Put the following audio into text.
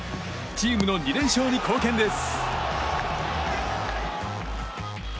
チームの２連勝に貢献です。